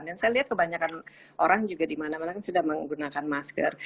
dan saya lihat kebanyakan orang juga dimana mana sudah menggunakan masker